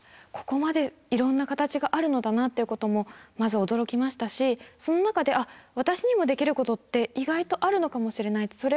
ここまでいろんな形があるのだなっていうこともまず驚きましたしその中であっ私にもできることって意外とあるのかもしれないって。